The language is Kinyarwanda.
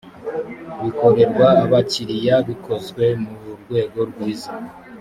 bikorerwa abakiriya bikozwe mu rwego rwiza